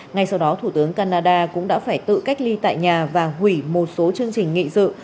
ngay sau đó thủ tướng canada cũng đã phải tự cách ly tại nhà và hủy một số chương trình nghị sự